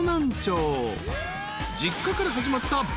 ［実家から始まった爆買い。